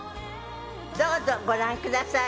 どうぞご覧ください。